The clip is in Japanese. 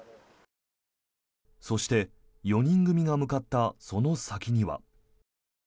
そして、４人組が向かったその先には。